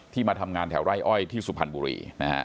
มาทำงานแถวไร่อ้อยที่สุพรรณบุรี